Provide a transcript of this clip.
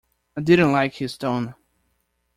I didn't like his tone.